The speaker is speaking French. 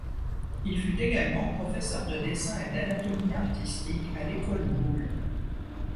Il fut également professeur de dessin et d'anatomie artistique à l'École Boulle.